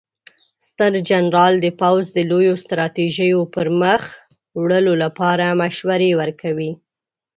ستر جنرال د پوځ د لویو ستراتیژیو د پرمخ وړلو لپاره مشورې ورکوي.